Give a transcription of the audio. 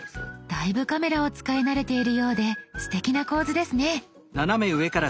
だいぶカメラを使い慣れているようですてきな構図ですね。